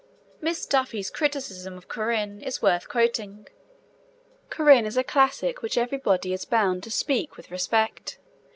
Miss Duffy's criticism of Corinne is worth quoting: Corinne is a classic of which everybody is bound to speak with respect.